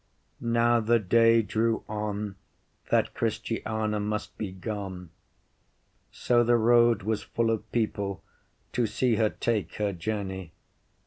Now the day drew on that Christiana must be gone. So the road was full of people to see her take her journey.